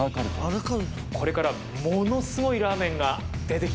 これからものすごいラーメンが出てきます。